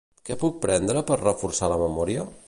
Què puc prendre per reforçar la memòria?